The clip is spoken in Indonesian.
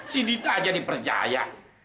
si dita aja dipercaya